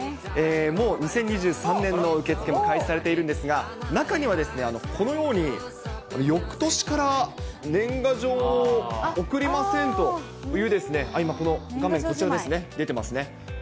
もう、２０２３年の受け付けも開始されているんですが、中には、このようによくとしから年賀状を送りませんという、今、この画面、こちらですね、出てますね。